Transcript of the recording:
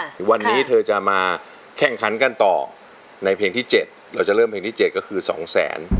เดี๋ยววันนี้เธอจะมาแข่งขันกันต่อในเพลงที่๗เราจะเริ่มเพลงที่๗ก็คือ๒แสน